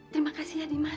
terima kasih ya dimas